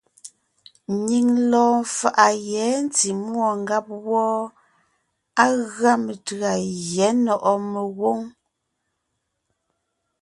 Nyìŋ lɔɔn faʼa yɛ̌ ntí múɔ ngáb wɔ́ɔ, á gʉa metʉ̌a Gyɛ̌ Nɔ̀ʼɔ Megwǒŋ.